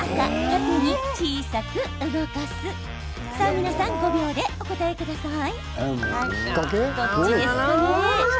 皆さん、５秒でお答えください。